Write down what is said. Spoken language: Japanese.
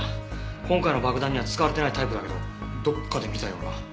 今回の爆弾には使われてないタイプだけどどこかで見たような。